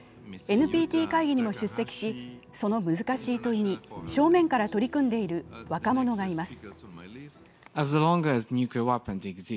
ＮＰＴ会議にも出席しその難しい問いに正面から取り組んでいる若者がいます。